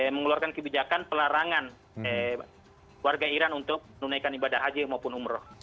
mengeluarkan kebijakan pelarangan warga iran untuk menunaikan ibadah haji maupun umroh